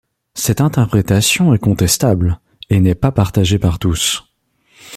Cette interprétation est contestable, et n'est pas partagée par tous.